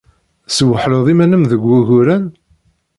Tesweḥled iman-nnem deg wuguren?